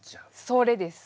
それです！